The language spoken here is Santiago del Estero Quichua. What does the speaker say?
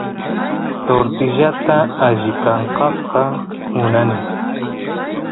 tortillata alli kankasqa munani